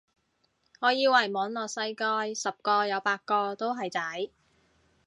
我以為網絡世界十個有八個都係仔